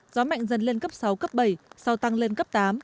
gió mạnh dần lên cấp sáu cấp bảy sau tăng lên cấp tám